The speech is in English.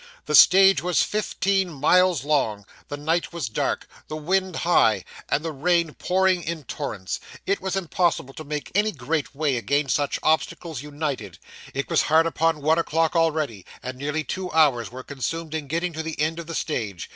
The stage was fifteen miles long, the night was dark, the wind high, and the rain pouring in torrents. It was impossible to make any great way against such obstacles united; it was hard upon one o'clock already; and nearly two hours were consumed in getting to the end of the stage.